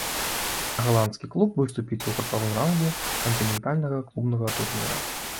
А галандскі клуб выступіць у групавым раўндзе кантынентальнага клубнага турніра.